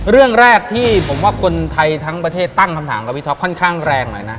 เรื่องแรกที่ผมว่าคนไทยทั้งประเทศตั้งคำถามกับพี่ท็อปค่อนข้างแรงหน่อยนะ